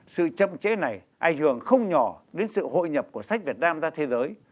sự chậm chế này ảnh hưởng không nhỏ đến sự hội nhập của sách việt nam ra thế giới